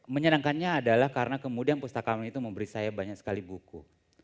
menyenangkannya adalah karena kemudian pustakawan itu memberi saya banyak sekali buku